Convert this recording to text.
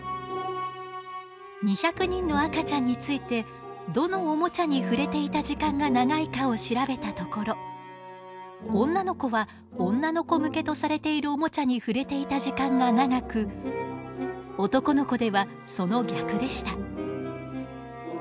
２００人の赤ちゃんについてどのおもちゃに触れていた時間が長いかを調べたところ女の子は女の子向けとされているおもちゃに触れていた時間が長く男の子ではその逆でした。